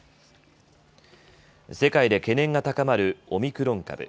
世界で懸念が高まるオミクロン株。